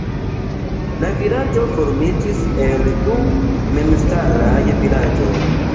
La vilaĝo formiĝis el du memstaraj vilaĝoj.